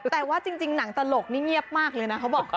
แต่ว่าจริงหนังตลกนี่เงียบมากเลยนะเขาบอก